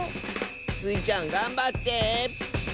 スイちゃんがんばって。